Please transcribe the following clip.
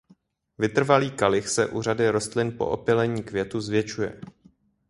Vytrvalý kalich se u řady rostlin po opylení květu zvětšuje.